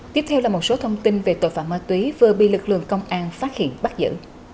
tiếp theo là một số thông tin về tội phạm ma túy vừa bị lực lượng công an phát hiện bắt giữ